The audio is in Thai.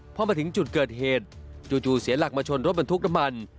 พอมาถึงจุดเกิดเหตุจู่เสียหลักมาชนรถบรรทุกน้ำมัน